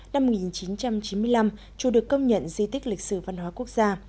năm một nghìn chín trăm chín mươi năm chùa được công nhận di tích lịch sử văn hóa quốc gia